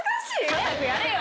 早くやれよ。